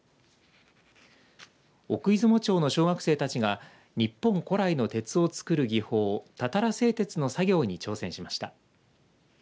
奥出雲町の小学生たちが日本古来の鉄を作る技法たたら製鉄の作業に挑戦しました。